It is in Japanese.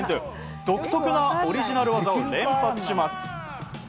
独特なオリジナル技を連発します。